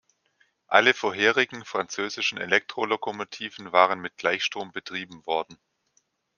Alle vorherigen französischen Elektrolokomotiven waren mit Gleichstrom betrieben worden.